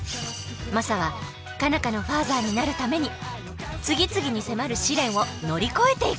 マサは佳奈花のファーザーになるために次々に迫る試練を乗り越えていく。